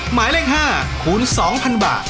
หมายเลข๕คูณ๒๐๐๐บาท